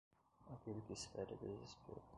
Aquele que espera é desespero.